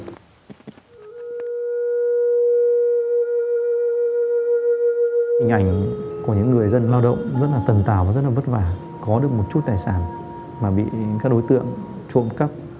hình ảnh của những người dân lao động rất là tầm tào và rất là vất vả có được một chút tài sản mà bị các đối tượng trộm cắp